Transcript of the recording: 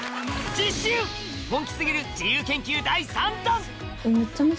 次週本気過ぎる自由研究第３弾！